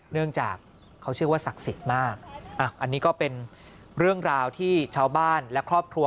เนื่องจากเขาเชื่อว่าศักดิ์สิทธิ์มากอันนี้ก็เป็นเรื่องราวที่ชาวบ้านและครอบครัว